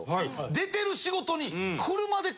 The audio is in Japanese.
出てる仕事に。